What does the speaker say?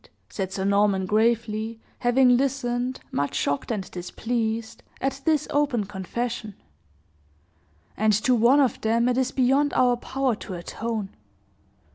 said Sir Norman, gravely, having listened, much shocked and displeased, at this open confession; "and to one of them it is beyond our power to atone.